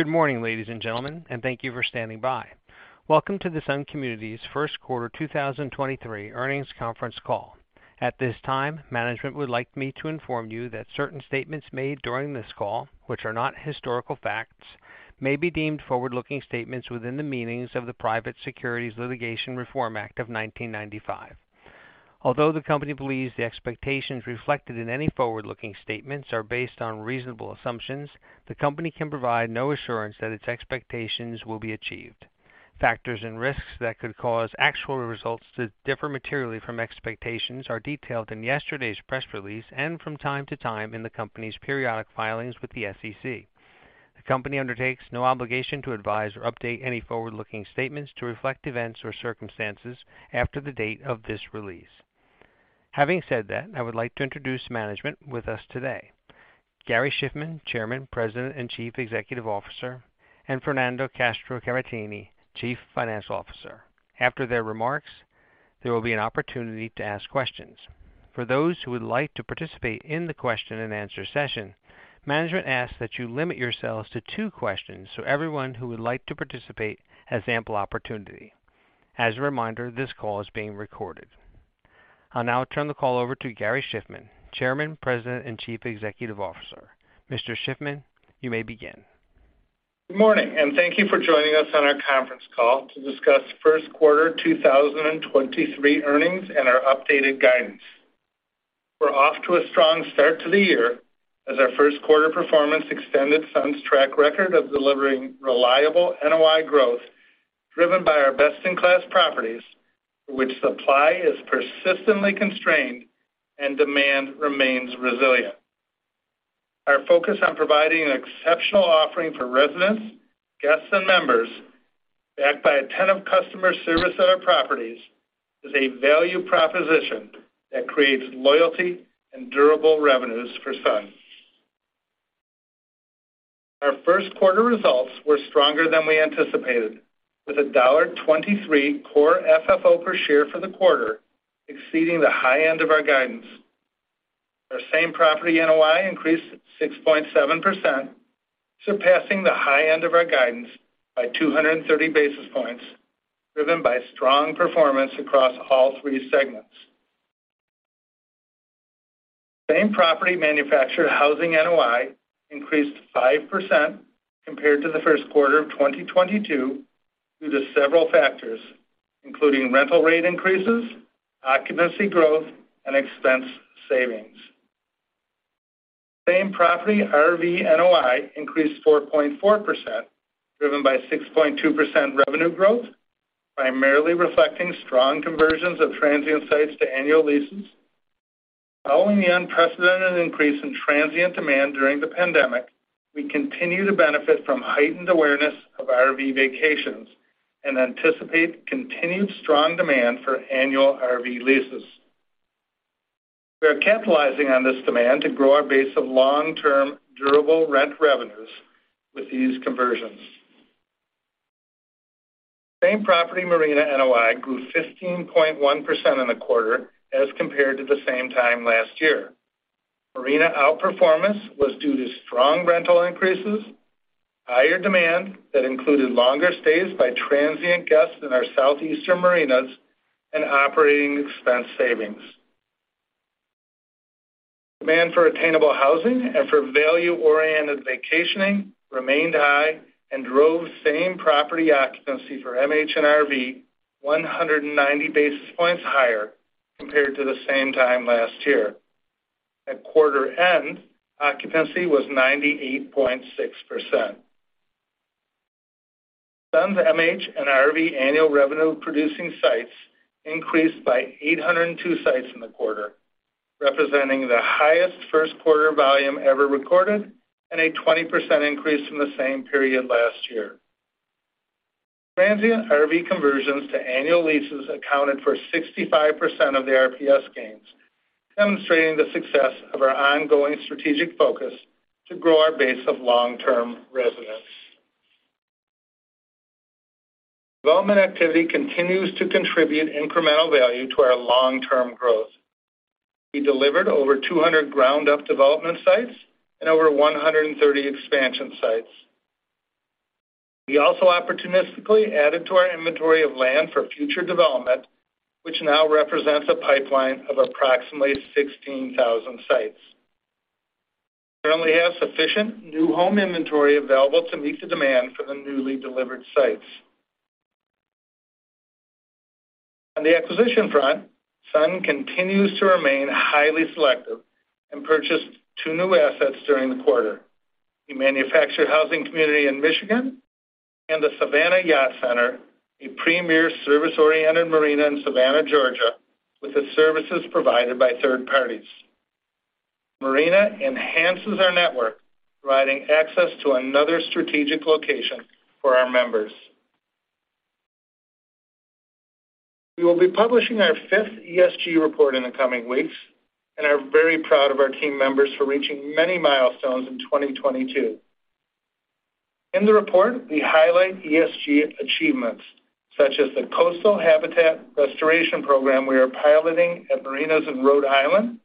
Good morning, ladies and gentlemen, thank you for standing by. Welcome to the Sun Communities Q1 2023 earnings conference call. At this time, management would like me to inform you that certain statements made during this call, which are not historical facts, may be deemed forward-looking statements within the meanings of the Private Securities Litigation Reform Act of 1995. Although the company believes the expectations reflected in any forward-looking statements are based on reasonable assumptions, the company can provide no assurance that its expectations will be achieved. Factors and risks that could cause actual results to differ materially from expectations are detailed in yesterday's press release and from time to time in the company's periodic filings with the SEC. The company undertakes no obligation to advise or update any forward-looking statements to reflect events or circumstances after the date of this release. Having said that, I would like to introduce management with us today. Gary Shiffman, Chairman, President, and Chief Executive Officer, and Fernando Castro-Caratini, Chief Financial Officer. After their remarks, there will be an opportunity to ask questions. For those who would like to participate in the question-and-answer session, management asks that you limit yourselves to two questions so everyone who would like to participate has ample opportunity. As a reminder, this call is being recorded. I'll now turn the call over to Gary Shiffman, Chairman, President, and Chief Executive Officer. Mr. Shiffman, you may begin. Good morning, thank you for joining us on our conference call to discuss Q1 2023 earnings and our updated guidance. We're off to a strong start to the year as our Q1 performance extended Sun's track record of delivering reliable NOI growth, driven by our best-in-class properties for which supply is persistently constrained and demand remains resilient. Our focus on providing an exceptional offering for residents, guests and members, backed by attentive customer service at our properties, is a value proposition that creates loyalty and durable revenues for Sun. Our Q1 results were stronger than we anticipated, with $1.23 Core FFO per share for the quarter exceeding the high end of our guidance. Our same property NOI increased 6.7%, surpassing the high end of our guidance by 230 basis points, driven by strong performance across all three segments. Same property manufactured housing NOI increased 5% compared to the Q1 of 2022 due to several factors, including rental rate increases, occupancy growth, and expense savings. Same property RV NOI increased 4.4%, driven by 6.2% revenue growth, primarily reflecting strong conversions of transient sites to annual leases. Following the unprecedented increase in transient demand during the pandemic, we continue to benefit from heightened awareness of RV vacations and anticipate continued strong demand for annual RV leases. We are capitalizing on this demand to grow our base of long-term durable rent revenues with these conversions. Same property marina NOI grew 15.1% in the quarter as compared to the same time last year. Marina outperformance was due to strong rental increases, higher demand that included longer stays by transient guests in our southeastern marinas, and operating expense savings. Demand for attainable housing and for value-oriented vacationing remained high and drove same-property occupancy for MH and RV 190 basis points higher compared to the same time last year. At quarter end, occupancy was 98.6%. Sun's MH and RV annual revenue producing sites increased by 802 sites in the quarter, representing the highest Q1 volume ever recorded and a 20% increase from the same period last year. Transient RV conversions to annual leases accounted for 65% of the RPS gains, demonstrating the success of our ongoing strategic focus to grow our base of long-term residents. Development activity continues to contribute incremental value to our long-term growth. We delivered over 200 ground up development sites and over 130 expansion sites. We also opportunistically added to our inventory of land for future development, which now represents a pipeline of approximately 16,000 sites. We currently have sufficient new home inventory available to meet the demand for the newly delivered sites. On the acquisition front, Sun continues to remain highly selective and purchased two new assets during the quarter. The manufactured housing community in Michigan and the Savannah Yacht Center, a premier service-oriented marina in Savannah, Georgia, with the services provided by third parties. Marina enhances our network, providing access to another strategic location for our members. We will be publishing our fifth ESG report in the coming weeks and are very proud of our team members for reaching many milestones in 2022. In the report, we highlight ESG achievements such as the Coastal Habitat Restoration Program we are piloting at marinas in Rhode Island.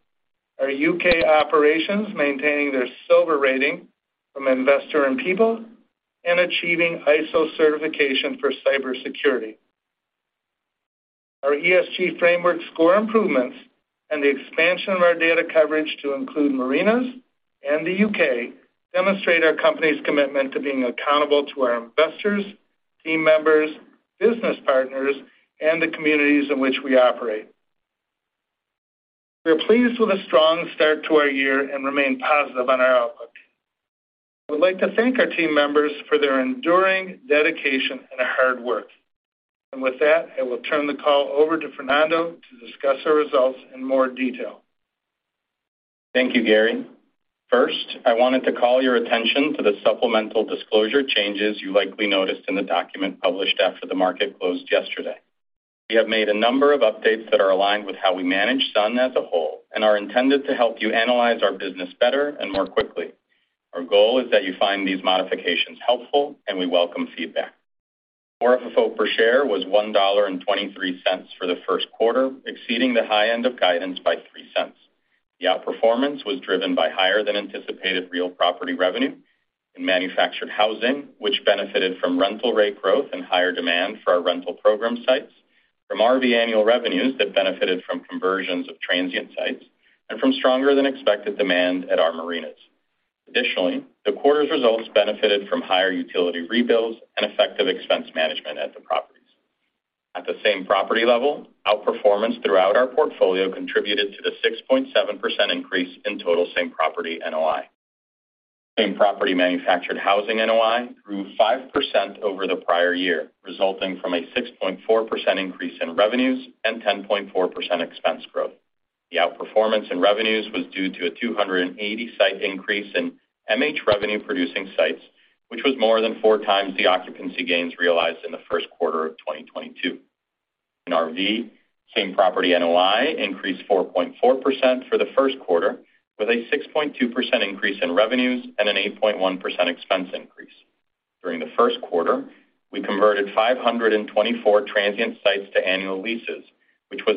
Our UK operations maintaining their silver rating from Investors in People and achieving ISO certification for cybersecurity. Our ESG framework score improvements and the expansion of our data coverage to include marinas and the UK demonstrate our company's commitment to being accountable to our investors, team members, business partners, and the communities in which we operate. We are pleased with a strong start to our year and remain positive on our outlook. I would like to thank our team members for their enduring dedication and hard work. With that, I will turn the call over to Fernando to discuss our results in more detail. Thank you, Gary. First, I wanted to call your attention to the supplemental disclosure changes you likely noticed in the document published after the market closed yesterday. We have made a number of updates that are aligned with how we manage SUN as a whole and are intended to help you analyze our business better and more quickly. Our goal is that you find these modifications helpful, and we welcome feedback. Core FFO per share was $1.23 for the Q1, exceeding the high end of guidance by $0.03. The outperformance was driven by higher than anticipated real property revenue in manufactured housing, which benefited from rental rate growth and higher demand for our rental program sites, from RV annual revenues that benefited from conversions of transient sites, and from stronger than expected demand at our marinas. Additionally, the quarter's results benefited from higher utility rebills and effective expense management at the properties. At the same-property level, outperformance throughout our portfolio contributed to the 6.7% increase in total same-property NOI. Same-property manufactured housing NOI grew 5% over the prior year, resulting from a 6.4% increase in revenues and 10.4% expense growth. The outperformance in revenues was due to a 280 site increase in MH revenue-producing sites, which was more than four times the occupancy gains realized in the Q1 of 2022. In RV, same-property NOI increased 4.4% for the Q1, with a 6.2% increase in revenues and an 8.1% expense increase. During the Q1, we converted 524 transient sites to annual leases, which was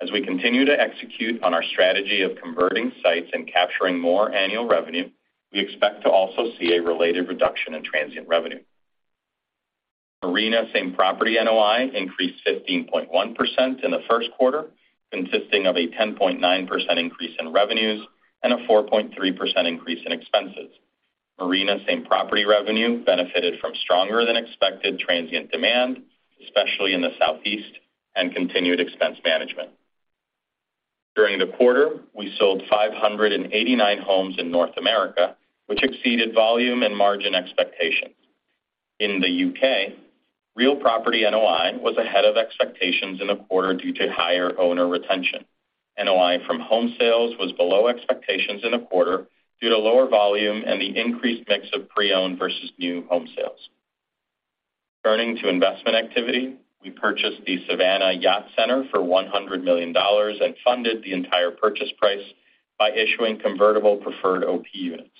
ahead of our expectations. We continue to execute on our strategy of converting sites and capturing more annual revenue, we expect to also see a related reduction in transient revenue. Marina same-property NOI increased 15.1% in the Q1, consisting of a 10.9% increase in revenues and a 4.3% increase in expenses. Marina same-property revenue benefited from stronger than expected transient demand, especially in the Southeast, and continued expense management. During the quarter, we sold 589 homes in North America, which exceeded volume and margin expectations. In the U.K., real property NOI was ahead of expectations in the quarter due to higher owner retention. NOI from home sales was below expectations in the quarter due to lower volume and the increased mix of pre-owned versus new home sales. Turning to investment activity, we purchased the Savannah Yacht Center for $100 million and funded the entire purchase price by issuing convertible preferred OP units.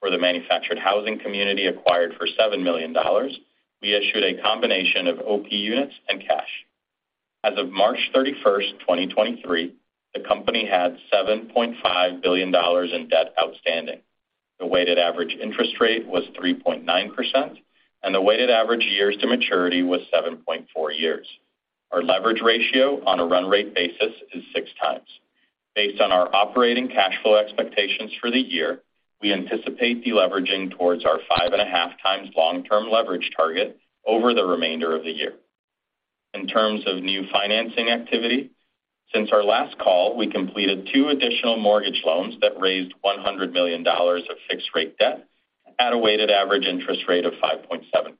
For the manufactured housing community acquired for $7 million, we issued a combination of OP units and cash. As of March 31, 2023, the company had $7.5 billion in debt outstanding. The weighted average interest rate was 3.9%, and the weighted average years to maturity was 7.4 years. Our leverage ratio on a run rate basis is six times. Based on our operating cash flow expectations for the year, we anticipate deleveraging towards our 5.5 times long-term leverage target over the remainder of the year. In terms of new financing activity, since our last call, we completed two additional mortgage loans that raised $100 million of fixed-rate debt at a weighted average interest rate of 5.7%.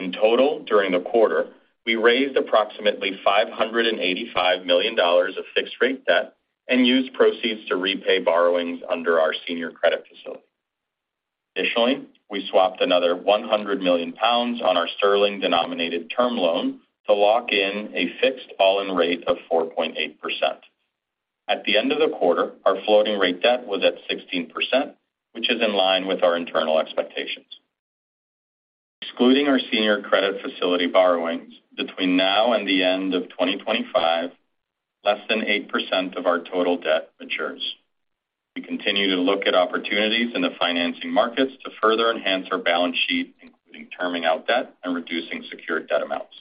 In total, during the quarter, we raised approximately $585 million of fixed-rate debt and used proceeds to repay borrowings under our senior credit facility. Additionally, we swapped another 100 million pounds on our sterling-denominated term loan to lock in a fixed all-in rate of 4.8%. At the end of the quarter, our floating rate debt was at 16%, which is in line with our internal expectations. Excluding our senior credit facility borrowings, between now and the end of 2025, less than 8% of our total debt matures. We continue to look at opportunities in the financing markets to further enhance our balance sheet, including terming out debt and reducing secured debt amounts.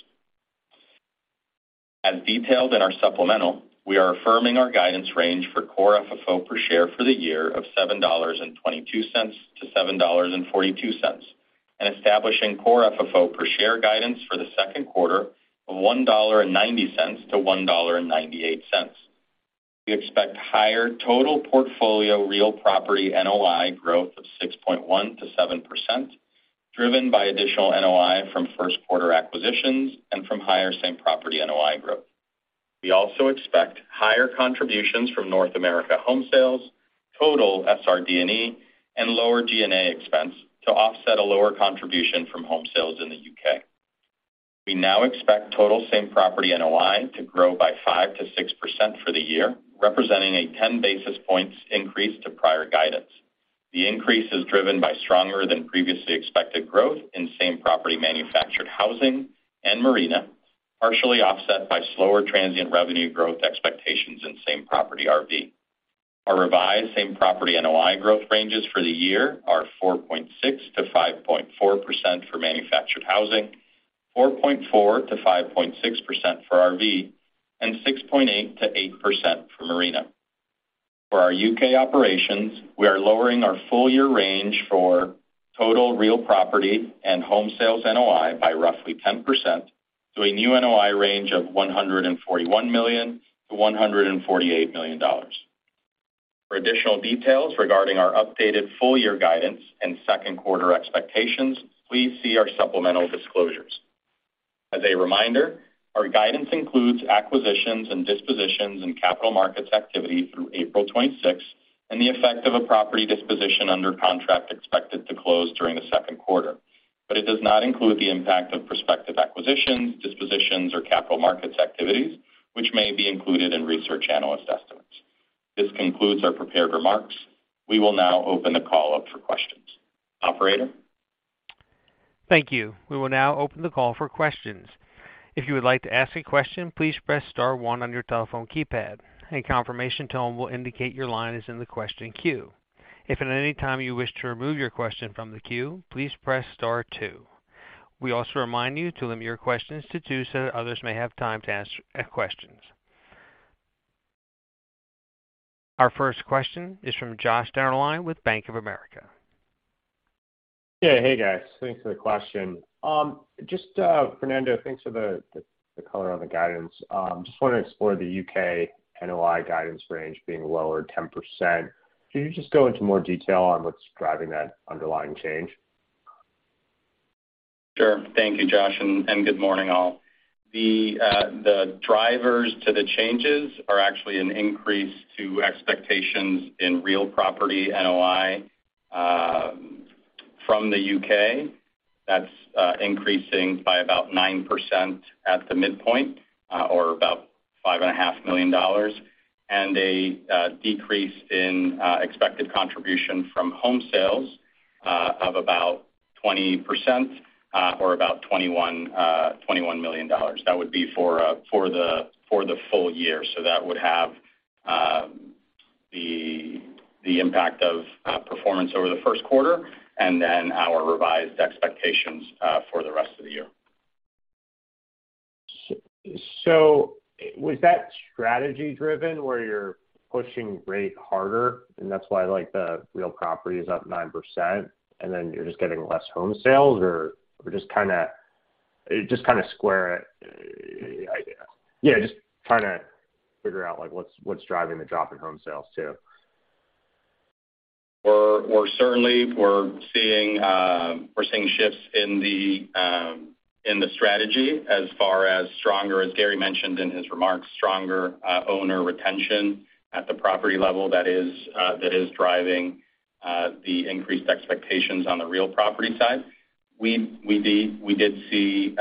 As detailed in our supplemental, we are affirming our guidance range for Core FFO per share for the year of $7.22 to $7.42, and establishing Core FFO per share guidance for the Q2 of $1.90 to $1.98. We expect higher total portfolio real property NOI growth of 6.1%-7%, driven by additional NOI from Q1 acquisitions and from higher same-property NOI growth. We also expect higher contributions from North America home sales, total SRD&E, and lower G&A expense to offset a lower contribution from home sales in the UK. We now expect total same-property NOI to grow by 5%-6% for the year, representing a 10 basis points increase to prior guidance. The increase is driven by stronger than previously expected growth in same-property manufactured housing and marina, partially offset by slower transient revenue growth expectations in same-property RV. Our revised same-property NOI growth ranges for the year are 4.6%-5.4% for manufactured housing, 4.4%-5.6% for RV, and 6.8%-8% for marina. For our U.K. operations, we are lowering our full year range for total real property and home sales NOI by roughly 10% to a new NOI range of $141 million-$148 million. For additional details regarding our updated full year guidance and Q2 expectations, please see our supplemental disclosures. As a reminder, our guidance includes acquisitions and dispositions and capital markets activity through April 26th and the effect of a property disposition under contract expected to close during the Q2. It does not include the impact of prospective acquisitions, dispositions or capital markets activities, which may be included in research analyst estimates. This concludes our prepared remarks. We will now open the call up for questions. Operator? Thank you. We will now open the call for questions. If you would like to ask a question, please press star one on your telephone keypad. A confirmation tone will indicate your line is in the question queue. If at any time you wish to remove your question from the queue, please press star two. We also remind you to limit your questions to two so that others may have time to ask questions. Our first question is from Joshua Dennerlein with Bank of America. Yeah. Hey, guys. Thanks for the question. Just Fernando, thanks for the color on the guidance. Just wanna explore the UK NOI guidance range being lower 10%. Can you just go into more detail on what's driving that underlying change? Sure. Thank you, Josh, and good morning, all. The drivers to the changes are actually an increase to expectations in real property NOI from the U.K. That's increasing by about 9% at the midpoint, or about five and a half million dollars, and a decrease in expected contribution from home sales of about 20%, or about $21 million. That would be for the full year, so that would have the impact of performance over the Q1 and then our revised expectations for the rest of the year. Was that strategy driven where you're pushing rate harder, and that's why, like, the real property is up 9%, and then you're just getting less home sales, or just kinda square it? Yeah, just trying to figure out, like, what's driving the drop in home sales too. We're certainly seeing shifts in the strategy as far as stronger, as Gary mentioned in his remarks, stronger owner retention at the property level that is driving the increased expectations on the real property side. We did see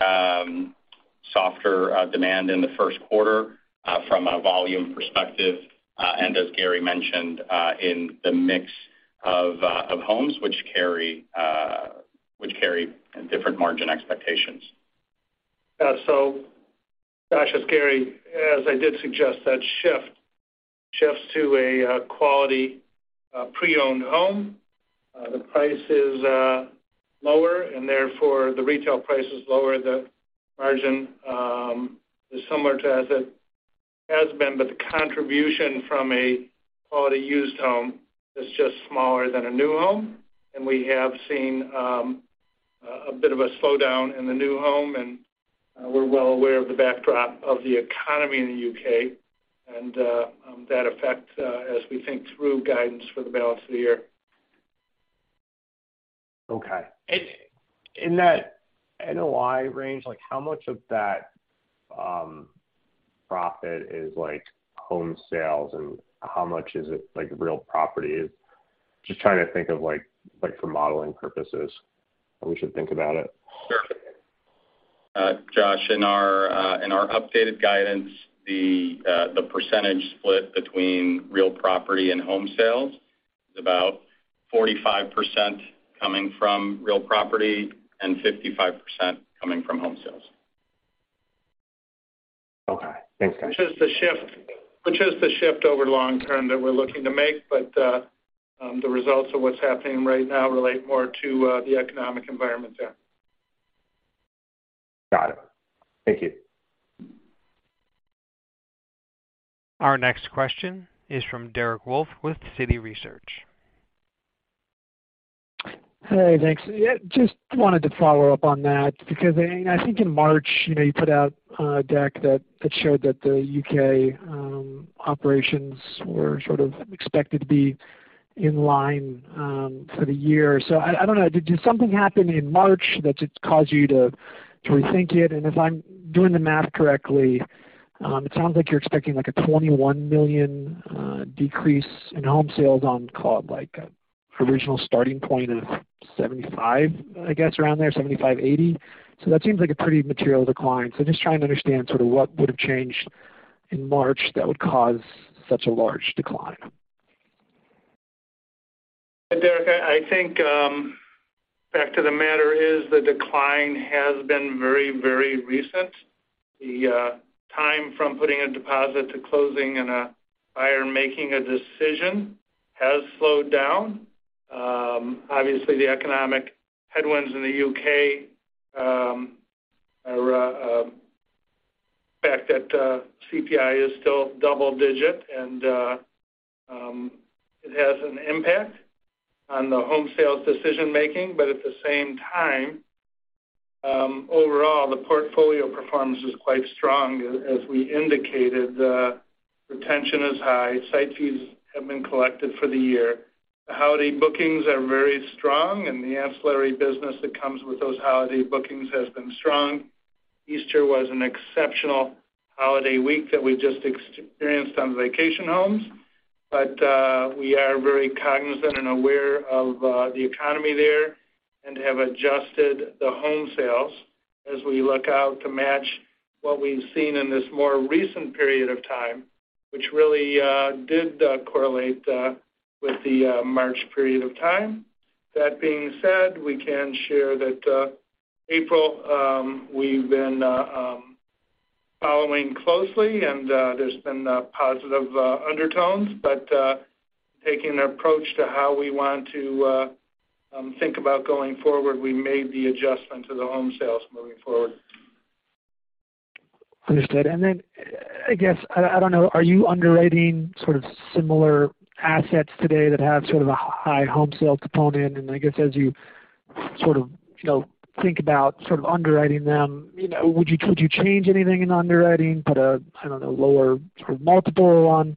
softer demand in the Q1 from a volume perspective, and as Gary mentioned, in the mix of homes which carry different margin expectations. Yeah. Josh, it's Gary. As I did suggest, that shift shifts to a quality pre-owned home. The price is lower, and therefore, the retail price is lower. The margin is similar to as it has been, but the contribution from a quality used home is just smaller than a new home. We have seen a bit of a slowdown in the new home, and we're well aware of the backdrop of the economy in the U.K. and that effect as we think through guidance for the balance of the year. Okay. In that NOI range, like, how much of that profit is, like, home sales, and how much is it, like, real properties? Just trying to think of, like, for modeling purposes, how we should think about it. Sure. Josh, in our, in our updated guidance, the percentage split between real property and home sales is about 45% coming from real property and 55% coming from home sales. Okay. Thanks, guys. Which is the shift over long term that we're looking to make, but the results of what's happening right now relate more to the economic environment. Got it. Thank you. Our next question is from Eric Wolfe with Citi Research. Hey, thanks. Yeah, just wanted to follow up on that because I think in March, you know, you put out a deck that showed that the UK operations were sort of expected to be in line for the year. I don't know, did something happen in March that just caused you to rethink it? And if I'm doing the math correctly, it sounds like you're expecting like a $21 million decrease in home sales on call, like original starting point of 75, I guess, around there, 75-80. That seems like a pretty material decline. Just trying to understand sort of what would have changed in March that would cause such a large decline. Eric, I think, back to the matter is the decline has been very, very recent. The time from putting a deposit to closing and a buyer making a decision has slowed down. Obviously, the economic headwinds in the UK are fact that CPI is still double-digit, and it has an impact on the home sales decision-making. At the same time, overall, the portfolio performance is quite strong. As we indicated, the retention is high. Site fees have been collected for the year. The holiday bookings are very strong, and the ancillary business that comes with those holiday bookings has been strong. Easter was an exceptional holiday week that we just experienced on vacation homes. We are very cognizant and aware of the economy there and have adjusted the home sales as we look out to match what we've seen in this more recent period of time, which really did correlate with the March period of time. That being said, we can share that April, we've been following closely and there's been positive undertones. Taking an approach to how we want to think about going forward, we made the adjustment to the home sales moving forward. Understood. I guess, I don't know, are you underwriting sort of similar assets today that have sort of a high home sale component? I guess as you sort of, you know, think about sort of underwriting them, you know, would you, could you change anything in underwriting? Put a, I don't know, lower sort of multiple on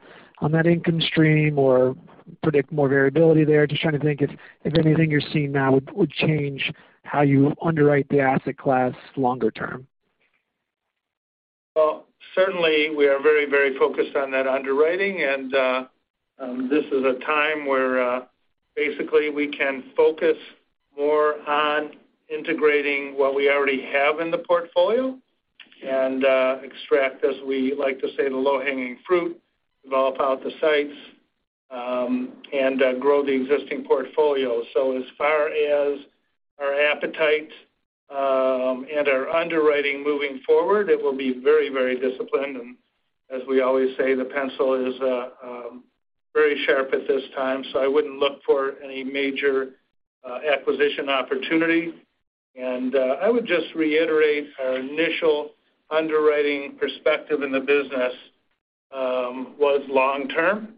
that income stream or predict more variability there? Just trying to think if anything you're seeing now would change how you underwrite the asset class longer term. Well, certainly we are very, very focused on that underwriting, and this is a time where basically we can focus more on integrating what we already have in the portfolio and extract, as we like to say, the low-hanging fruit, develop out the sites, and grow the existing portfolio. As far as our appetite and our underwriting moving forward, it will be very, very disciplined. As we always say, the pencil is very sharp at this time, so I wouldn't look for any major acquisition opportunity. I would just reiterate our initial underwriting perspective in the business was long term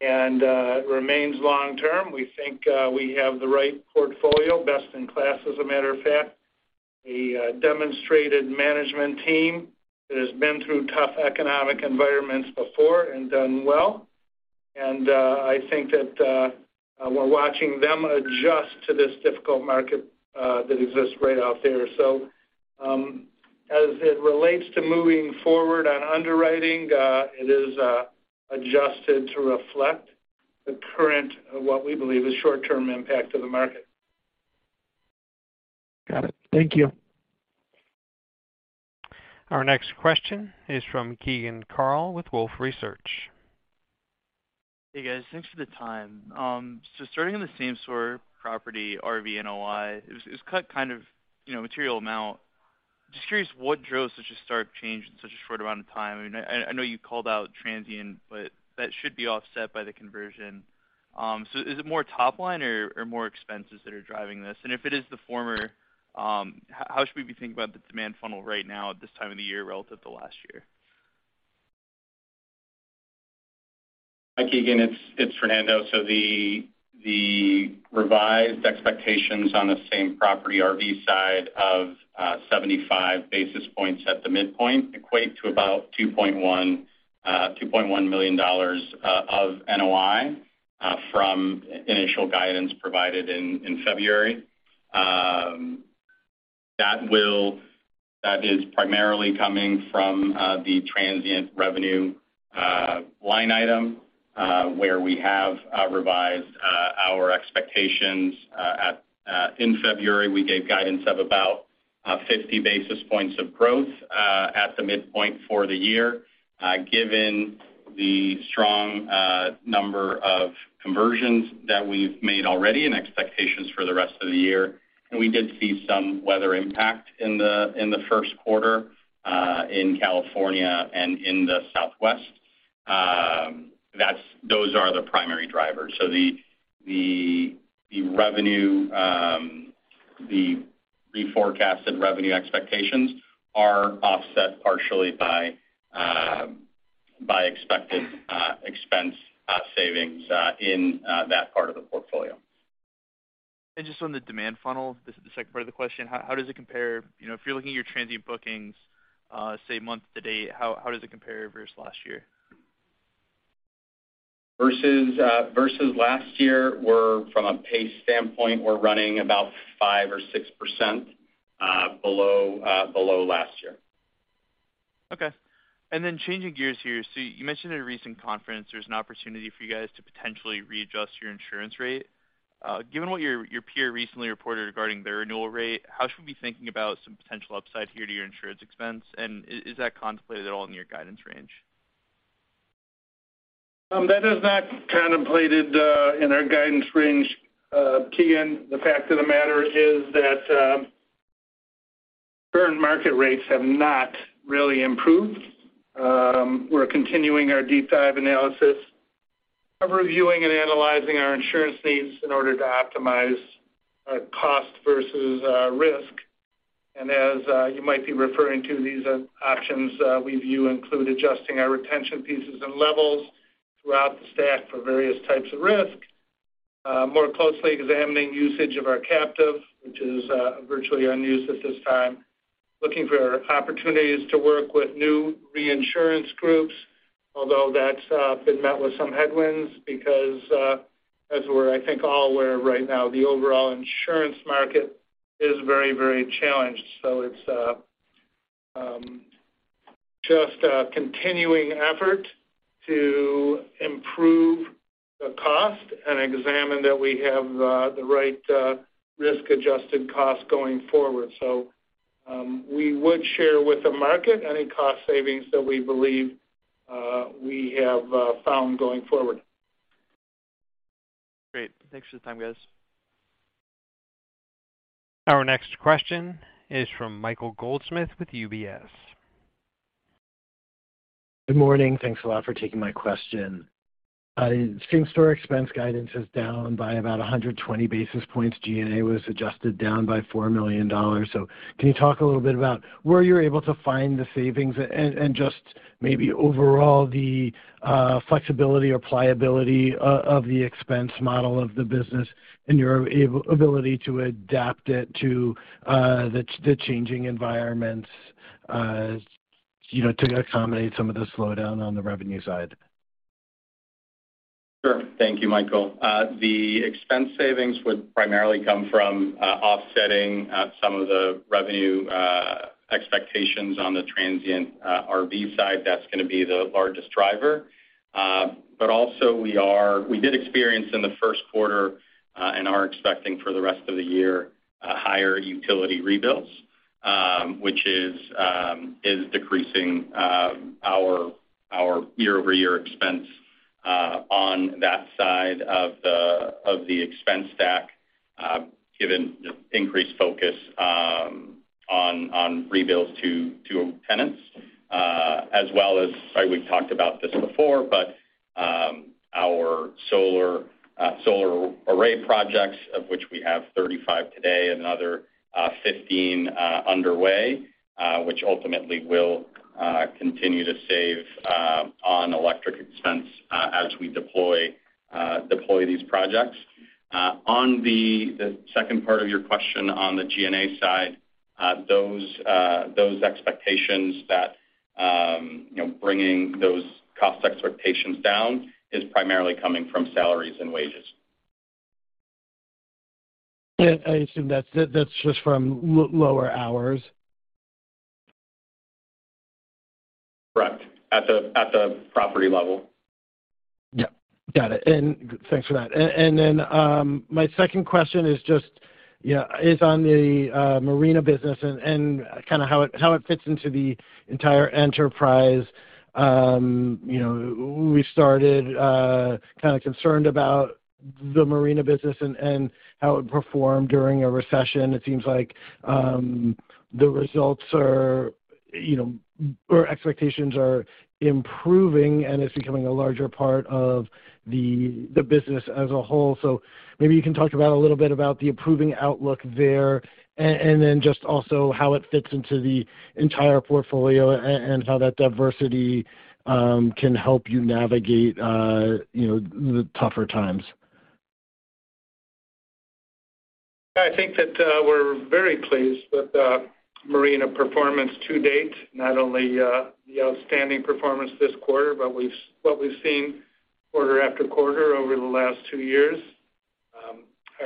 and remains long term. We think we have the right portfolio, best in class as a matter of fact, a demonstrated management team that has been through tough economic environments before and done well. I think that we're watching them adjust to this difficult market that exists right out there. As it relates to moving forward on underwriting, it is adjusted to reflect the current, what we believe is short-term impact of the market. Got it. Thank you. Our next question is from Keegan Carl with Wolfe Research. Hey, guys. Thanks for the time. Starting on the same store property RV NOI, it cut kind of, you know, material amount. Just curious what drove such a stark change in such a short amount of time. I mean, I know you called out transient, but that should be offset by the conversion. Is it more top line or more expenses that are driving this? If it is the former, how should we be thinking about the demand funnel right now at this time of the year relative to last year? Hi, Keegan. It's Fernando. The revised expectations on the same property RV side of 75 basis points at the midpoint equate to about $2.1 million of NOI from initial guidance provided in February. That is primarily coming from the transient revenue line item where we have revised our expectations at in February, we gave guidance of about 50 basis points of growth at the midpoint for the year given the strong number of conversions that we've made already and expectations for the rest of the year. We did see some weather impact in the Q1 in California and in the Southwest. Those are the primary drivers. The revenue, the reforecasted revenue expectations are offset partially by expected expense savings in that part of the portfolio. Just on the demand funnel, this is the second part of the question. How does it compare? You know, if you're looking at your transient bookings, say month to date, how does it compare versus last year? Versus last year we're from a pace standpoint, we're running about 5% or 6% below last year. Okay. Changing gears here. You mentioned in a recent conference there's an opportunity for you guys to potentially readjust your insurance rate. Given what your peer recently reported regarding their renewal rate, how should we be thinking about some potential upside here to your insurance expense? Is that contemplated at all in your guidance range? That is not contemplated in our guidance range, Keyan. The fact of the matter is that current market rates have not really improved. We're continuing our deep dive analysis of reviewing and analyzing our insurance needs in order to optimize our cost versus risk. As you might be referring to, these options we view include adjusting our retention pieces and levels throughout the stack for various types of risk. More closely examining usage of our captive, which is virtually unused at this time. Looking for opportunities to work with new reinsurance groups. That's been met with some headwinds because as we're, I think, all aware right now, the overall insurance market is very, very challenged. It's just a continuing effort to improve the cost and examine that we have the right risk-adjusted cost going forward. We would share with the market any cost savings that we believe we have found going forward. Great. Thanks for the time, guys. Our next question is from Michael Goldsmith with UBS. Good morning. Thanks a lot for taking my question. stream store expense guidance is down by about 120 basis points. G&A was adjusted down by $4 million. Can you talk a little bit about where you're able to find the savings and just maybe overall the flexibility or pliability of the expense model of the business and your ability to adapt it to the changing environments, you know, to accommodate some of the slowdown on the revenue side? Sure. Thank you, Michael. The expense savings would primarily come from offsetting some of the revenue expectations on the transient RV side. That's gonna be the largest driver. Also we did experience in the Q1, and are expecting for the rest of the year, higher utility rebills, which is decreasing our year-over-year expense on that side of the expense stack, given the increased focus on rebills to tenants. As well as, right, we've talked about this before, but our solar array projects, of which we have 35 today, another 15 underway, which ultimately will continue to save on electric expense as we deploy these projects. On the second part of your question on the G&A side, those expectations that, you know, bringing those cost expectations down is primarily coming from salaries and wages. Yeah, I assume that's just from lower hours. Correct. At the property level. Yeah. Got it. My second question is just on the marina business and kinda how it fits into the entire enterprise. You know, we started kinda concerned about the marina business and how it performed during a recession. It seems like the results are, you know, or expectations are improving, and it's becoming a larger part of the business as a whole. Maybe you can talk about a little bit about the improving outlook there, and then just also how it fits into the entire portfolio and how that diversity can help you navigate, you know, the tougher times. I think that we're very pleased with the marina performance to date, not only the outstanding performance this quarter, but what we've seen quarter after quarter over the last two years.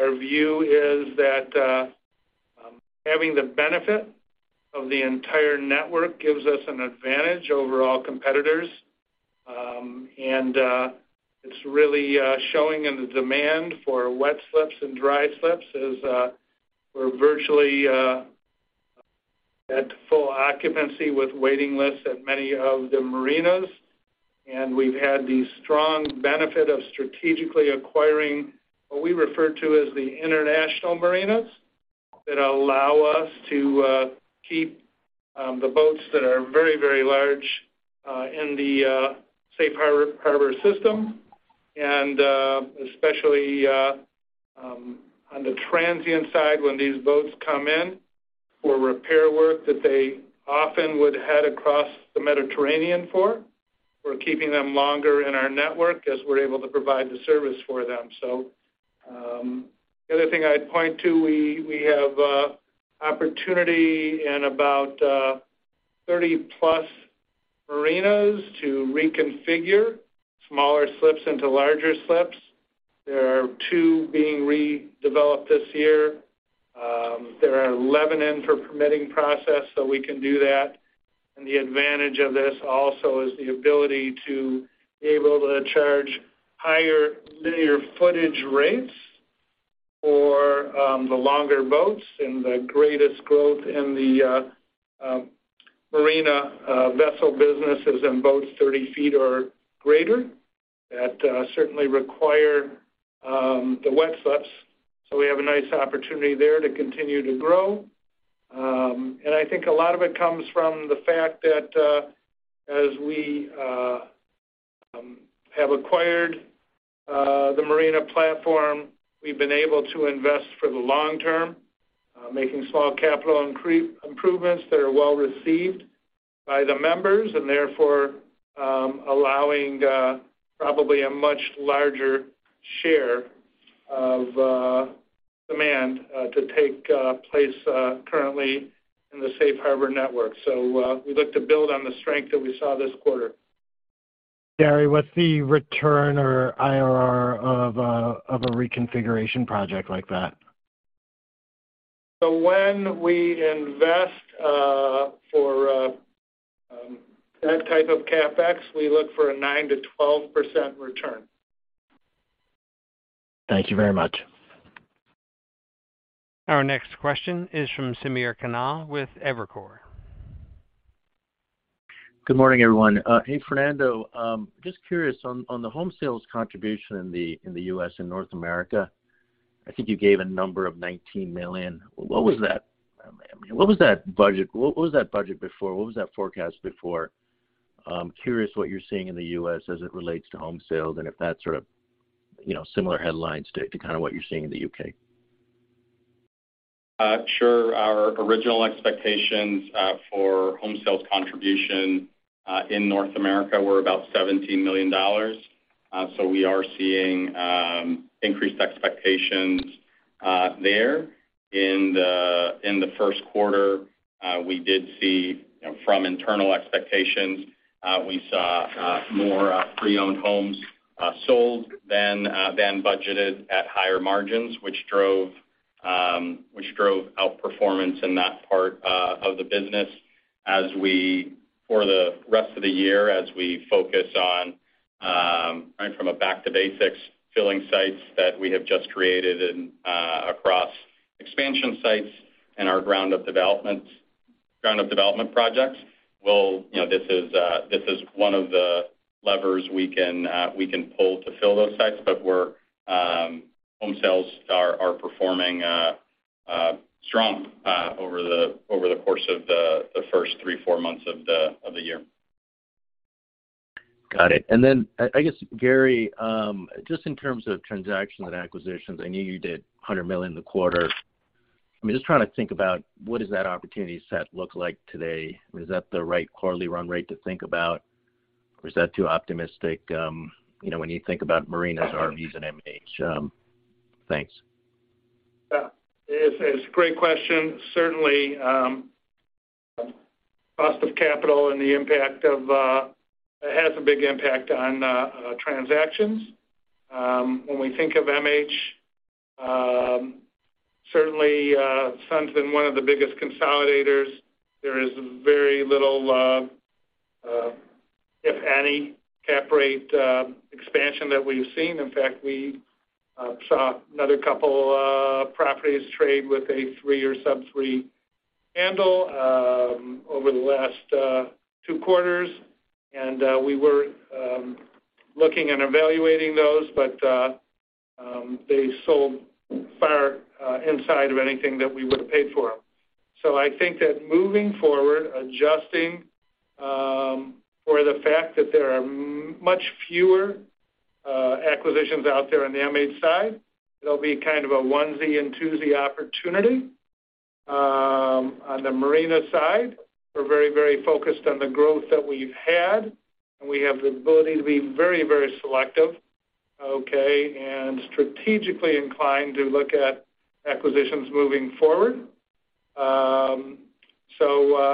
Our view is that having the benefit of the entire network gives us an advantage over all competitors. It's really showing in the demand for wet slips and dry slips as we're virtually at full occupancy with waiting lists at many of the marinas. We've had the strong benefit of strategically acquiring what we refer to as the international marinas that allow us to keep the boats that are very, very large in the Safe Harbor system. Especially on the transient side, when these boats come in for repair work that they often would head across the Mediterranean for, we're keeping them longer in our network as we're able to provide the service for them. The other thing I'd point to, we have opportunity in about 30-plus marinas to reconfigure smaller slips into larger slips. There are two being redeveloped this year. There are 11 in for permitting process, so we can do that. The advantage of this also is the ability to be able to charge higher linear footage rates for the longer boats. The greatest growth in the marina vessel business is in boats 30 feet or greater that certainly require the wet slips. We have a nice opportunity there to continue to grow. I think a lot of it comes from the fact that as we have acquired the marina platform, we've been able to invest for the long term, making small capital improvements that are well-received by the members, and therefore allowing probably a much larger share of demand to take place currently in the Safe Harbor network. We look to build on the strength that we saw this quarter. Gary, what's the return or IRR of a reconfiguration project like that? When we invest for that type of CapEx, we look for a 9%-12% return. Thank you very much. Our next question is from Samir Khanal with Evercore. Good morning, everyone. Hey, Fernando. Just curious on the home sales contribution in the U.S. and North America, I think you gave a number of $19 million. What was that? What was that budget? What was that budget before? What was that forecast before? Curious what you're seeing in the U.S. as it relates to home sales, and if that's sort of, you know, similar headlines to kinda what you're seeing in the U.K. Sure. Our original expectations for home sales contribution in North America were about $17 million. We are seeing increased expectations there. In the Q1, we did see, you know, from internal expectations, we saw more pre-owned homes sold than budgeted at higher margins, which drove outperformance in that part of the business. For the rest of the year, as we focus on right from a back-to-basics filling sites that we have just created and across expansion sites and our ground-up development projects, we'll, you know, this is one of the levers we can pull to fill those sites. We're home sales are performing strong over the course of the first three, four months of the year. Got it. I guess, Gary, just in terms of transactions and acquisitions, I know you did $100 million in the quarter. I mean, just trying to think about what does that opportunity set look like today? Is that the right quarterly run rate to think about? Or is that too optimistic, you know, when you think about marinas, RVs, and MH? Thanks. Yeah. It's a great question. Certainly, cost of capital. It has a big impact on transactions. When we think of MH, certainly, SUN's been one of the biggest consolidators. There is very little, if any, cap rate expansion that we've seen. In fact, we saw another couple properties trade with a three or sub-three handle over the last two quarters, and we were looking and evaluating those, but they sold far inside of anything that we would have paid for them. I think that moving forward, adjusting for the fact that there are much fewer acquisitions out there on the MH side, it'll be kind of a onesie and twosie opportunity. On the marina side, we're very, very focused on the growth that we've had, and we have the ability to be very, very selective, okay, and strategically inclined to look at acquisitions moving forward.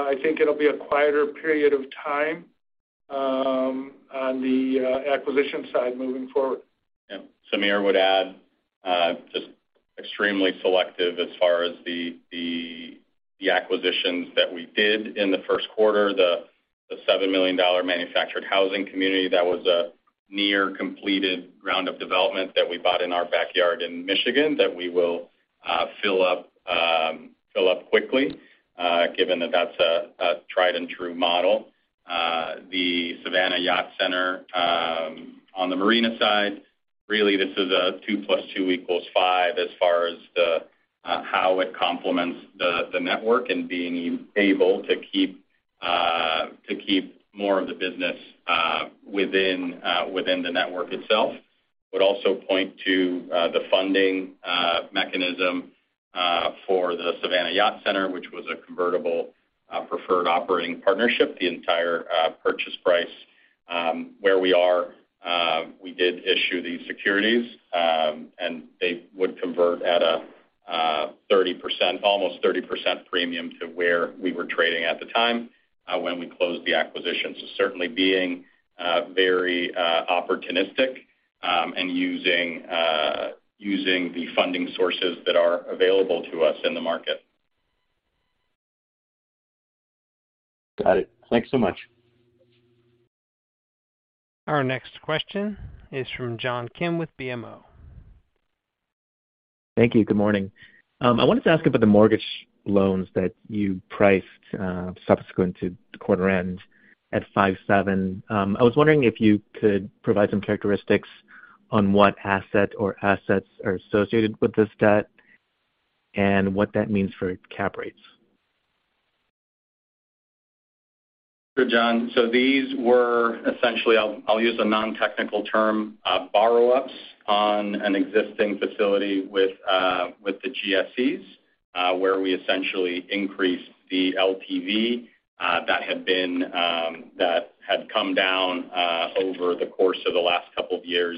I think it'll be a quieter period of time, on the acquisition side moving forward. Samir, I would add, just extremely selective as far as the acquisitions that we did in the Q1, the $7 million manufactured housing community that was a near completed ground-up development that we bought in our backyard in Michigan that we will fill up quickly, given that that's a tried and true model. The Savannah Yacht Center, on the marina side, really this is a two plus two equals five as far as the how it complements the network and being able to keep more of the business within the network itself. Would also point to the funding mechanism for the Savannah Yacht Center, which was a convertible preferred operating partnership. The entire purchase price, where we are, we did issue these securities, and they would convert at a 30%, almost 30% premium to where we were trading at the time when we closed the acquisition. Certainly being very opportunistic and using the funding sources that are available to us in the market. Got it. Thanks so much. Our next question is from John Kim with BMO. Thank you. Good morning. I wanted to ask about the mortgage loans that you priced subsequent to the quarter end at 5.7. I was wondering if you could provide some characteristics on what asset or assets are associated with this debt and what that means for cap rates. Sure, John. These were essentially, I'll use a non-technical term, borrow ups on an existing facility with the GSEs, where we essentially increased the LTV that had come down over the course of the last couple of years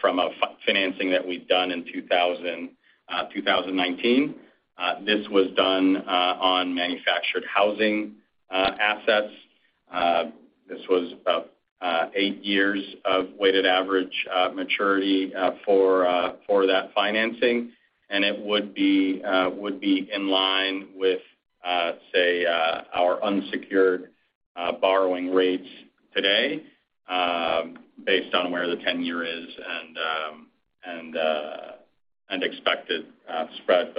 from a financing that we'd done in 2019. This was done on manufactured housing assets. This was about eight years of weighted average maturity for that financing. It would be in line with say our unsecured borrowing rates today, based on where the tenure is and and expected spread.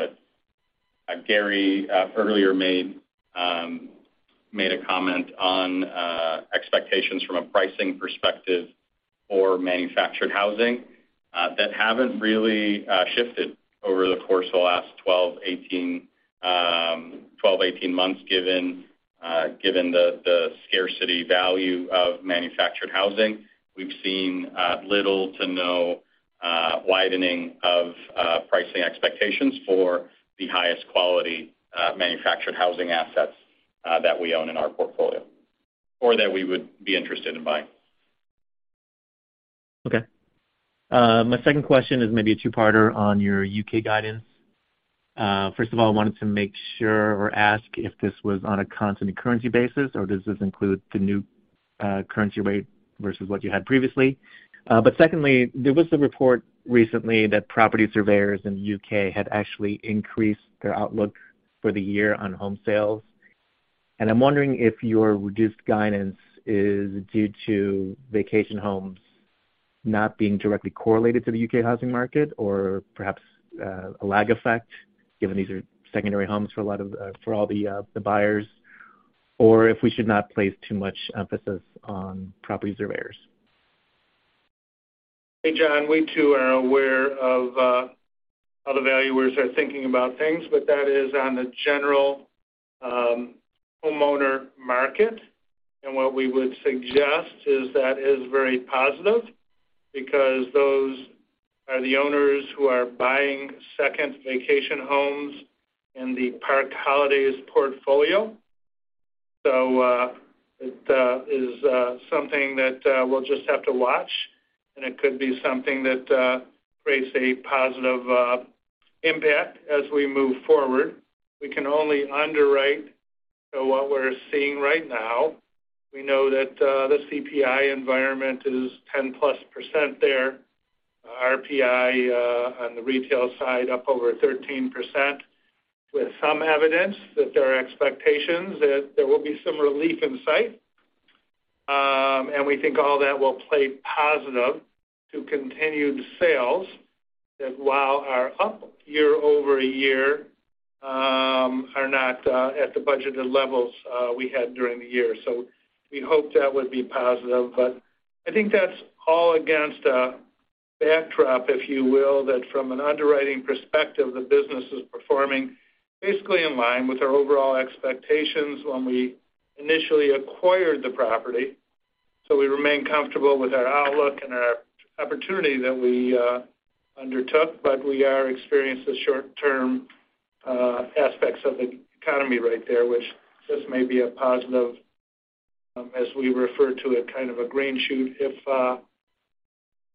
Gary earlier made a comment on expectations from a pricing perspective for manufactured housing that haven't really shifted over the course of the last 12, 18 months, given the scarcity value of manufactured housing. We've seen little to no widening of pricing expectations for the highest quality manufactured housing assets that we own in our portfolio or that we would be interested in buying. Okay. My second question is maybe a two-parter on your UK guidance. First of all, I wanted to make sure or ask if this was on a constant currency basis, or does this include the new currency rate versus what you had previously? Secondly, there was a report recently that property surveyors in the UK had actually increased their outlook for the year on home sales. I'm wondering if your reduced guidance is due to vacation homes not being directly correlated to the UK housing market, or perhaps a lag effect, given these are secondary homes for all the buyers, or if we should not place too much emphasis on property surveyors. Hey, John. We too are aware of how the valuers are thinking about things, but that is on the general homeowner market. What we would suggest is that is very positive because those are the owners who are buying second vacation homes in the Park Holidays portfolio. It is something that we'll just have to watch, and it could be something that creates a positive impact as we move forward. We can only underwrite what we're seeing right now. We know that the CPI environment is 10+% there. RPI on the retail side, up over 13%, with some evidence that there are expectations that there will be some relief in sight. We think all that will play positive to continued sales that while are up year-over-year, are not at the budgeted levels we had during the year. We hope that would be positive. I think that's all against a backdrop, if you will, that from an underwriting perspective, the business is performing basically in line with our overall expectations when we initially acquired the property. We remain comfortable with our outlook and our opportunity that we undertook. We are experiencing short-term aspects of the economy right there, which this may be a positive, as we refer to it, kind of a green shoot if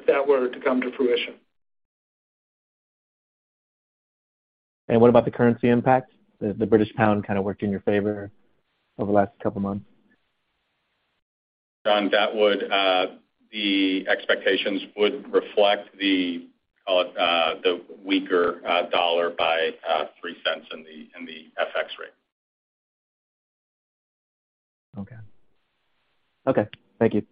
that were to come to fruition. What about the currency impact? The British pound kind of worked in your favor over the last couple of months. John, that would, the expectations would reflect the, call it, the weaker, dollar by, $0.03 in the FX rate. Okay. Okay. Thank you.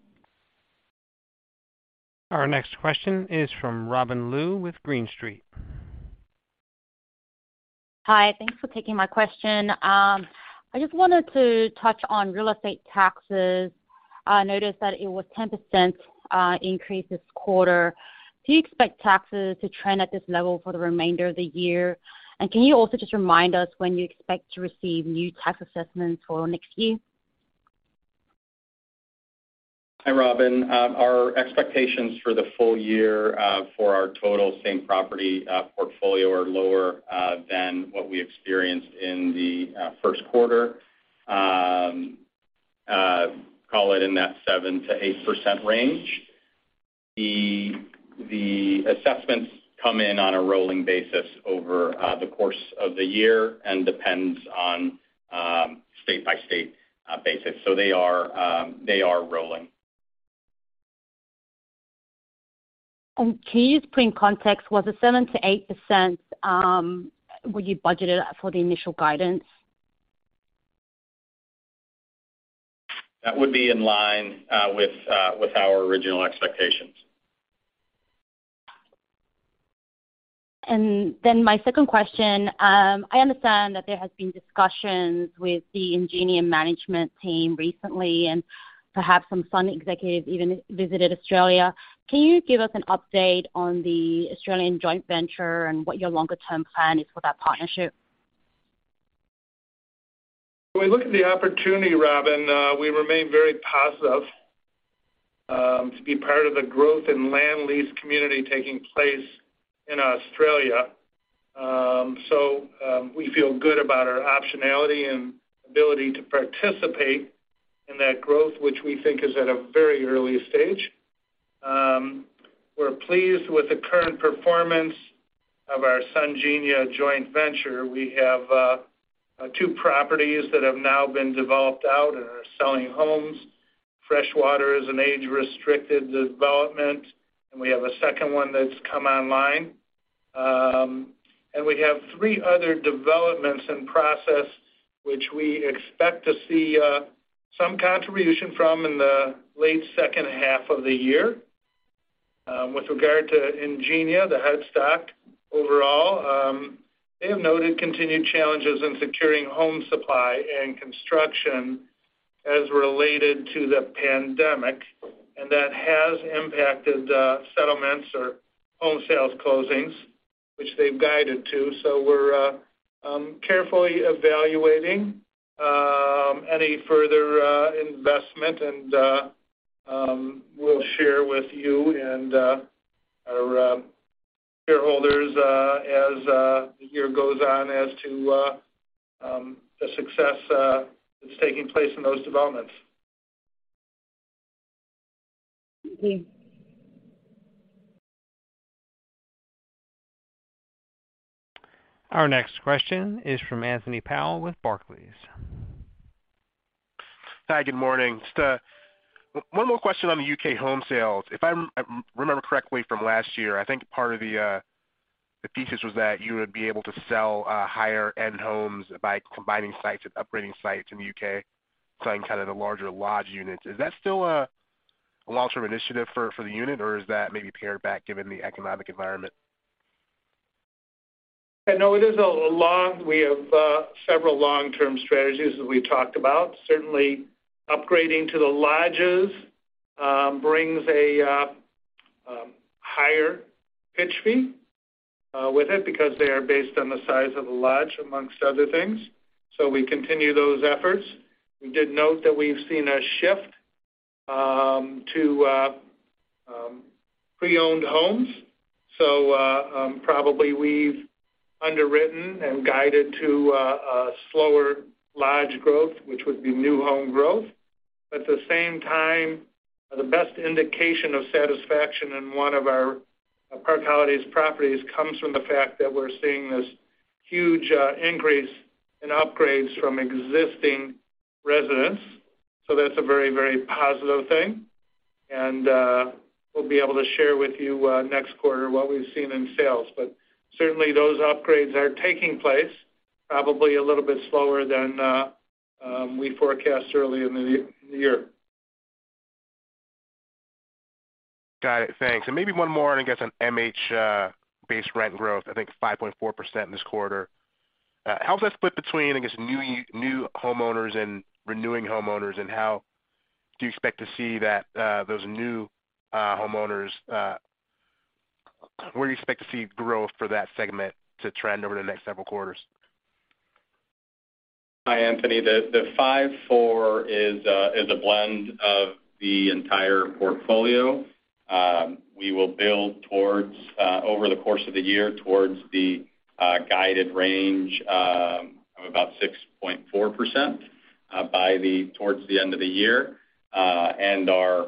Our next question is from Robyn Luu with Green Street. Hi. Thanks for taking my question. I just wanted to touch on real estate taxes. I noticed that it was 10% increase this quarter. Do you expect taxes to trend at this level for the remainder of the year? Can you also just remind us when you expect to receive new tax assessments for next year? Hi, Robyn. Our expectations for the full year for our total same property portfolio are lower than what we experienced in the Q1. Call it in that 7%-8% range. The assessments come in on a rolling basis over the course of the year and depends on state by state basis. They are rolling. Can you just put in context, was the 7%-8% what you budgeted for the initial guidance? That would be in line with our original expectations. My second question. I understand that there has been discussions with the Ingenia management team recently and perhaps some fund executives even visited Australia. Can you give us an update on the Australian joint venture and what your longer-term plan is for that partnership? When we look at the opportunity, Robyn, we remain very positive, to be part of the growth and land lease community taking place in Australia. We feel good about our optionality and ability to participate in that growth, which we think is at a very early stage. We're pleased with the current performance of our Sungenia joint venture. We have two properties that have now been developed out and are selling homes. Freshwater is an age-restricted development, and we have a second one that's come online. We have three other developments in process, which we expect to see some contribution from in the late second half of the year. With regard to Ingenia, the headstock overall, they have noted continued challenges in securing home supply and construction as related to the pandemic, and that has impacted settlements or home sales closings, which they've guided to. We're carefully evaluating any further investment, and we'll share with you and our shareholders as the year goes on as to the success that's taking place in those developments. Thank you. Our next question is from Anthony Powell with Barclays. Hi. Good morning. Just one more question on the U.K. home sales. If I remember correctly from last year, I think part of the thesis was that you would be able to sell higher-end homes by combining sites and upgrading sites in the U.K., selling kind of the larger lodge units. Is that still a long-term initiative for the unit, or is that maybe pared back given the economic environment? No, we have several long-term strategies that we talked about. Certainly upgrading to the lodges brings a higher pitch fee with it because they are based on the size of the lodge amongst other things. We continue those efforts. We did note that we've seen a shift to pre-owned homes. Probably we've underwritten and guided to a slower lodge growth, which would be new home growth. At the same time, the best indication of satisfaction in one of our Park Holidays' properties comes from the fact that we're seeing this huge increase in upgrades from existing residents. That's a very, very positive thing. We'll be able to share with you next quarter what we've seen in sales. Certainly those upgrades are taking place probably a little bit slower than we forecast early in the year. Got it. Thanks. Maybe one more on, I guess, on MH, base rent growth, I think 5.4% this quarter. How is that split between, I guess, new homeowners and renewing homeowners, and how do you expect to see that, those new homeowners, where do you expect to see growth for that segment to trend over the next several quarters? Hi, Anthony. The 5.4 is a blend of the entire portfolio. We will build towards over the course of the year towards the guided range of about 6.4% towards the end of the year. The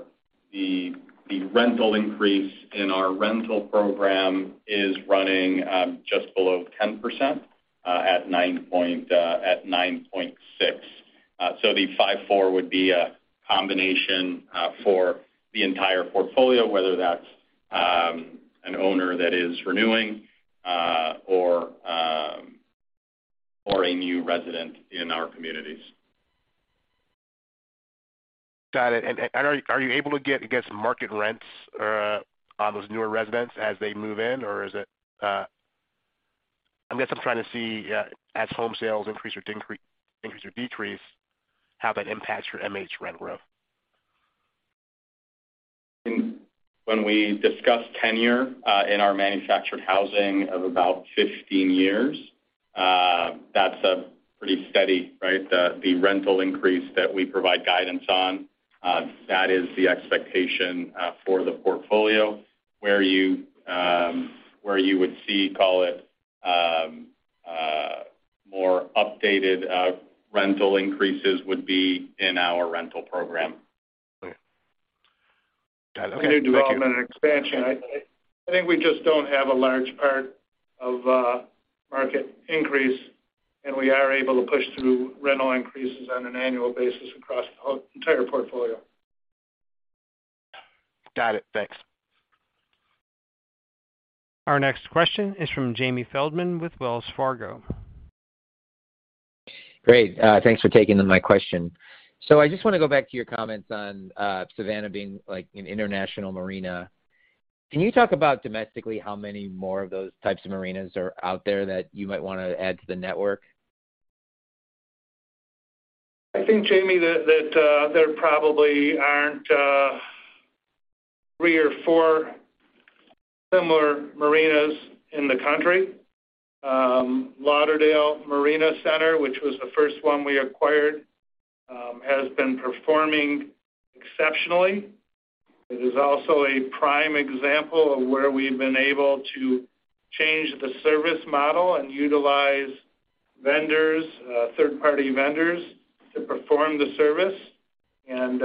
rental increase in our rental program is running just below 10% at 9.6. The 5.4 would be a combination for the entire portfolio, whether that's an owner that is renewing or a new resident in our communities. Got it. Are you able to get, I guess, market rents, on those newer residents as they move in, or is it? I guess I'm trying to see, as home sales increase or decrease, how that impacts your MH rent growth. When we discuss tenure, in our manufactured housing of about 15 years, that's a pretty steady, right? The rental increase that we provide guidance on, that is the expectation for the portfolio. Where you, where you would see, call it, more updated, rental increases would be in our rental program. Okay. Got it. Okay. Thank you. New development and expansion. I think we just don't have a large part of market increase, and we are able to push through rental increases on an annual basis across the whole entire portfolio. Got it. Thanks. Our next question is from Jamie Feldman with Wells Fargo. Great. thanks for taking my question. I just wanna go back to your comments on Savannah being, like, an international marina. Can you talk about domestically how many more of those types of marinas are out there that you might wanna add to the network? I think, Jamie, that there probably aren't three or four similar marinas in the country. Lauderdale Marine Center, which was the first one we acquired, has been performing exceptionally. It is also a prime example of where we've been able to change the service model and utilize vendors, third-party vendors to perform the service and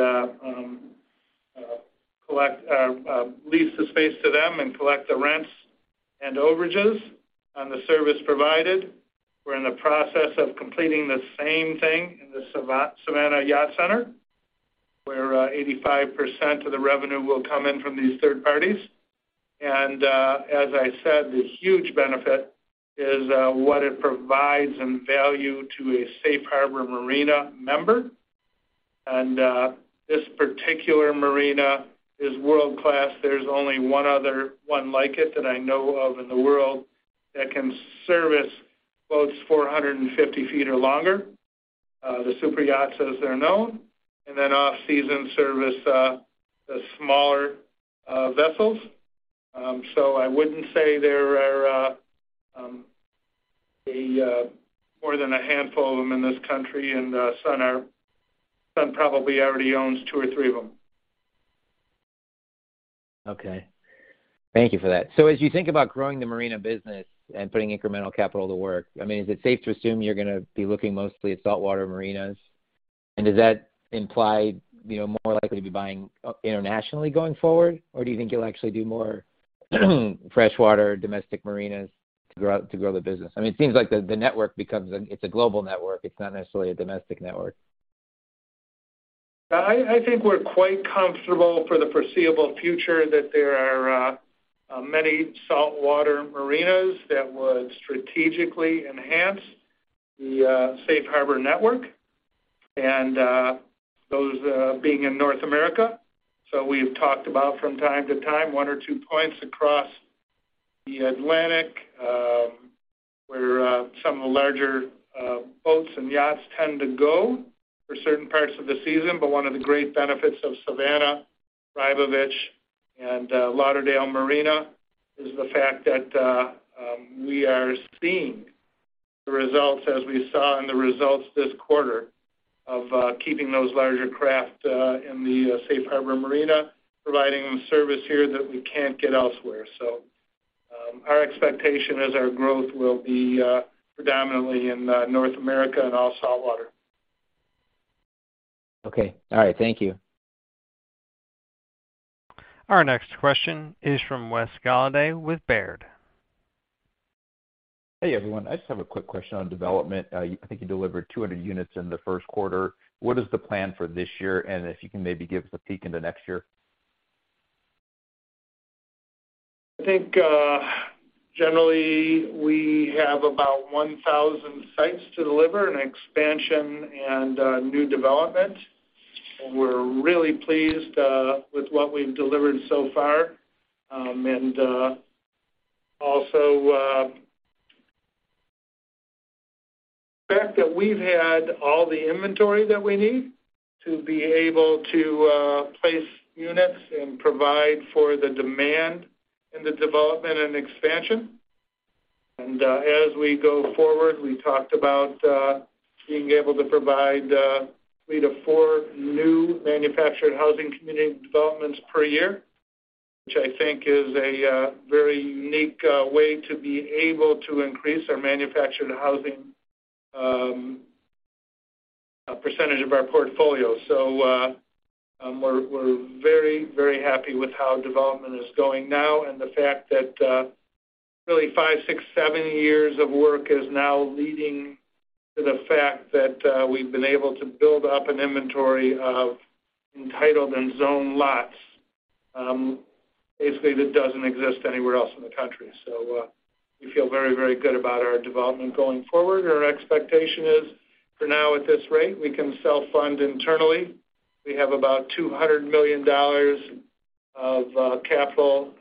collect or lease the space to them and collect the rents and overages on the service provided. We're in the process of completing the same thing in the Savannah Yacht Center, where 85% of the revenue will come in from these third parties. As I said, the huge benefit is what it provides in value to a Safe Harbor Marina member. This particular marina is world-class. There's only one other one like it that I know of in the world that can service boats 450 feet or longer, the super yachts, as they're known, and then off-season service, the smaller vessels. I wouldn't say there are more than a handful of them in this country, and Sun probably already owns two or three of them. Okay. Thank you for that. As you think about growing the marina business and putting incremental capital to work, I mean, is it safe to assume you're gonna be looking mostly at saltwater marinas? Does that imply, you know, more likely to be buying internationally going forward? Do you think you'll actually do more, freshwater domestic marinas to grow the business? I mean, it seems like the network becomes it's a global network. It's not necessarily a domestic network. I think we're quite comfortable for the foreseeable future that there are many saltwater marinas that would strategically enhance the Safe Harbor network and those being in North America. We've talked about from time to time, one or two points across the Atlantic, where some of the larger boats and yachts tend to go for certain parts of the season. One of the great benefits of Savannah, Rybovich, and Lauderdale Marina is the fact that we are seeing the results as we saw in the results this quarter of keeping those larger craft in the Safe Harbor Marina, providing service here that we can't get elsewhere. Our expectation is our growth will be predominantly in North America and all saltwater. Okay. All right. Thank you. Our next question is from Wes Golladay with Baird. Hey, everyone. I just have a quick question on development. I think you delivered 200 units in the 1st quarter. What is the plan for this year, and if you can maybe give us a peek into next year? I think, generally we have about 1,000 sites to deliver in expansion and new development. We're really pleased with what we've delivered so far. Also, the fact that we've had all the inventory that we need to be able to place units and provide for the demand in the development and expansion. As we go forward, we talked about being able to provide three-four new manufactured housing community developments per year, which I think is a very unique way to be able to increase our manufactured housing percentage of our portfolio. We're very, very happy with how development is going now and the fact that really five, six, seven years of work is now leading to the fact that we've been able to build up an inventory of entitled and zoned lots, basically that doesn't exist anywhere else in the country. We feel very, very good about our development going forward. Our expectation is for now at this rate, we can self-fund internally. We have about $200 million of capital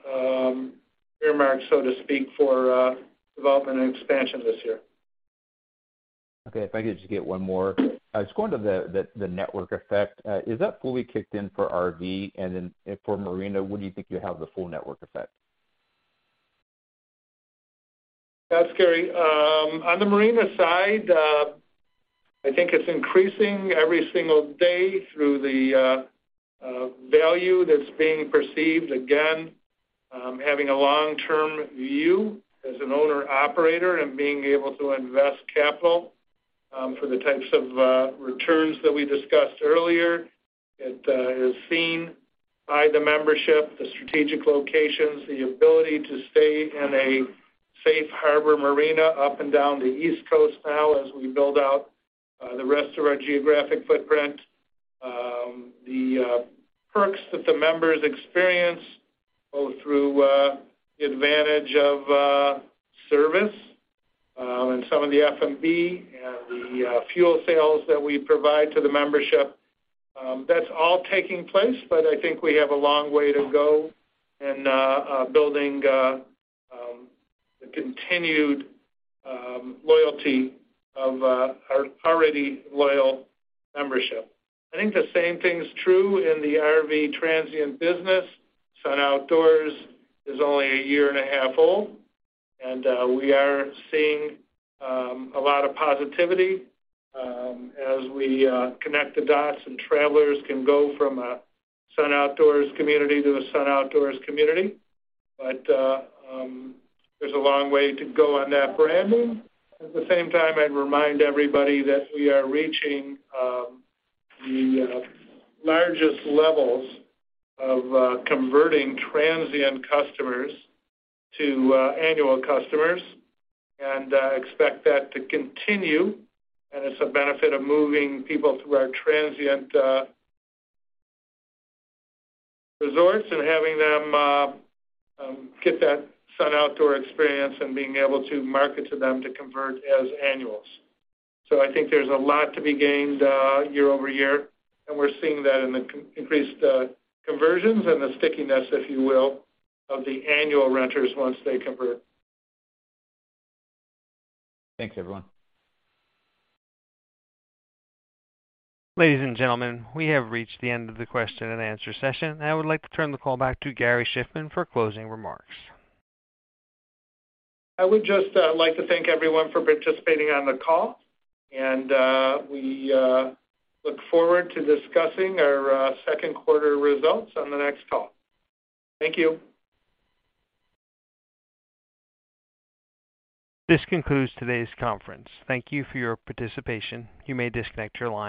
earmarked, so to speak, for development and expansion this year. Okay, if I could just get one more. Just going to the network effect, is that fully kicked in for RV? For marina, when do you think you'll have the full network effect? That's scary. On the marina side, I think it's increasing every single day through the value that's being perceived. Again, having a long-term view as an owner/operator and being able to invest capital for the types of returns that we discussed earlier. It is seen by the membership, the strategic locations, the ability to stay in a Safe Harbor marina up and down the East Coast now as we build out the rest of our geographic footprint. The perks that the members experience, both through the advantage of service, and some of the F&B and the fuel sales that we provide to the membership, that's all taking place. I think we have a long way to go in building the continued loyalty of our already loyal membership. I think the same thing's true in the RV transient business. Sun Outdoors is only a year and a half old, and we are seeing a lot of positivity as we connect the dots and travelers can go from a Sun Outdoors community to a Sun Outdoors community. There's a long way to go on that branding. At the same time, I'd remind everybody that we are reaching the largest levels of converting transient customers to annual customers, and expect that to continue. It's a benefit of moving people through our transient resorts and having them get that Sun Outdoors experience and being able to market to them to convert as annuals. I think there's a lot to be gained, year-over-year, and we're seeing that in the increased conversions and the stickiness, if you will, of the annual renters once they convert. Thanks, everyone. Ladies and gentlemen, we have reached the end of the question-and-answer session. I would like to turn the call back to Gary Shiffman for closing remarks. I would just like to thank everyone for participating on the call. We look forward to discussing our Q2 results on the next call. Thank you. This concludes today's conference. Thank you for your participation. You may disconnect your line.